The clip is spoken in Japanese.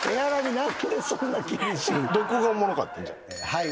はい。